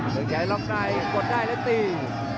ส่วนยัดระบุรบใจก็ได้และตี